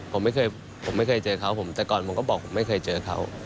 ผมไม่เคยเหมือนเจอเขาแต่ก่อนผมก็บอกว่าผมไม่เคยเจอเขา